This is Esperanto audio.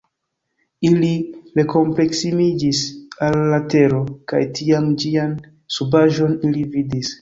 Ili reproksimiĝis al la tero, kaj tiam ĝian subaĵon ili vidis.